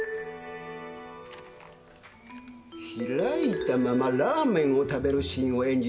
開いたままラーメンを食べるシーンを演じてらっしゃった。